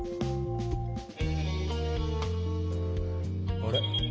あれ？